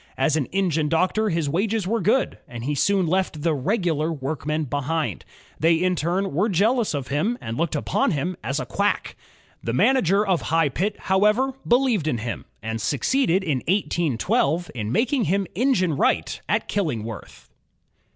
As an engine doctor his wages were good, and he soon left the '* regular'' workmen behind. They in turn were jealous of him and looked upon him as a ''quack." The manager of the High Pit, however, believed in him, and succeeded in 1812 in making him engine wright at KiUingworth.